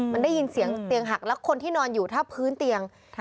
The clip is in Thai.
มันได้ยินเสียงเตียงหักแล้วคนที่นอนอยู่ถ้าพื้นเตียง